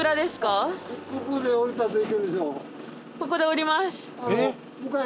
ここで降ります。